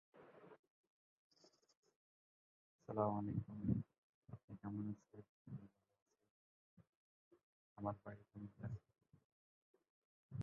এক বছরের কম সময়ে তিনি এক শতাধিক রাগ শিখেন এবং নিজেই সুর করা শুরু করেন।